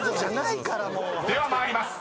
［では参ります。